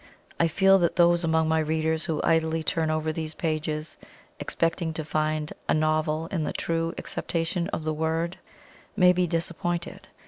I feel that those among my readers who idly turn over these pages, expecting to find a "NOVEL" in the true acceptation of the term, may be disappointed.